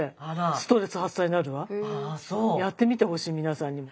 やってみてほしい皆さんにも。